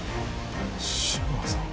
志村さん？